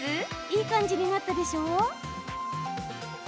いい感じになったでしょ？